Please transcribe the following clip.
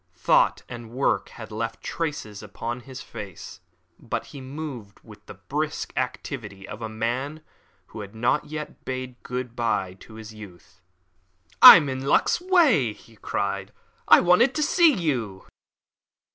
Thought and work had left their traces upon his face, but he moved with the brisk activity of a man who had not yet bade good bye to his youth. "I'm in luck's way," he cried. "I wanted to see you."